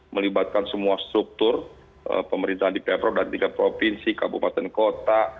melibatkan semua struktur pemerintahan di pemprov dan tingkat provinsi kabupaten kota